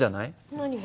何が？